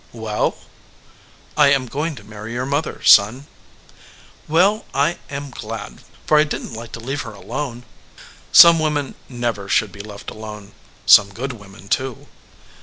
"Well?" "I am going to marry your mother, son." "Well, I am glad, for I didn t like to leave her alone." "Some women never should be left alone some good women, too."